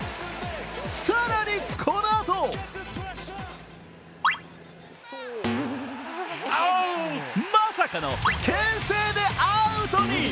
更にこのあとまさかのけん制でアウトに。